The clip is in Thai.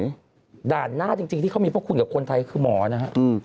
ด่านหน้าจริงที่เขามีพวกคุณกับคนไทยคือหมอนะฮะ